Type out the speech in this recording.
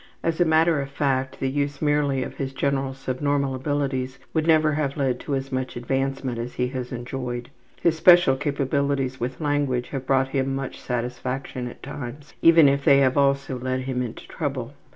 As a matter of fact, the use merely of his general subnormal abilities would never have led to as much advancement as he has enjoyed. His special capabilities with language have brought him much satisfaction at times, even if they have also led him into trouble.